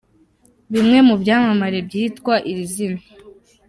Bimwe mu byamamare byitwa iri zina.